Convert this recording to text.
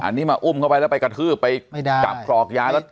อันนี้มาอุ้มเขาไปแล้วไปกะทืบไปไม่ได้แบบฝอกย้ายแล้ว